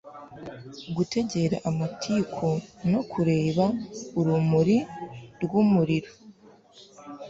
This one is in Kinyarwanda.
gutegera amatiku no kureba urumuri rwumuriro